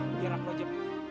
biar aku aja